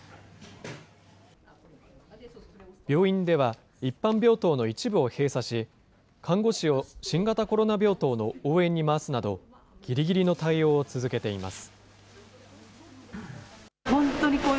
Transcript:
病院では、一般病棟の一部を閉鎖し、看護師を新型コロナ病棟の応援に回すなど、ぎりぎりの対応を続けています。